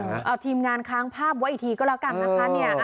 เอาทีมงานค้างภาพไว้อีกทีก็แล้วกันนะคะ